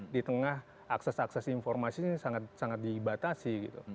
di tengah akses akses informasi ini sangat dibatasi